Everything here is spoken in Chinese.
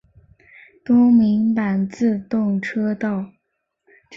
东名阪自动车道。